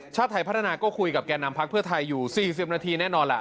ชาติไทยพัฒนาก็คุยกับแก่นำพักเพื่อไทยอยู่๔๐นาทีแน่นอนล่ะ